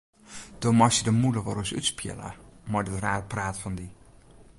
Do meist dy de mûle wolris útspiele mei dat rare praat fan dy.